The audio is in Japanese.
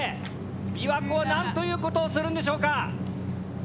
琵琶湖は何という事をするんでしょうか。